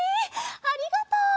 ありがとう！